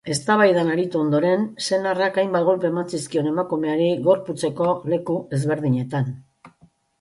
Eztabaidan aritu ondoren, senarrak hainbat kolpe eman zizkion emakumeari gorputzeko leku ezberdinetan.